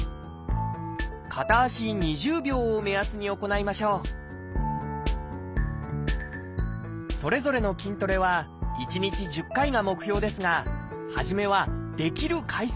片足２０秒を目安に行いましょうそれぞれの筋トレは１日１０回が目標ですが初めはできる回数から始めましょう。